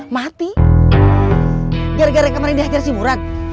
mati gara gara yang kemarin dihajar si murad